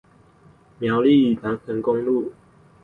苗栗南橫公路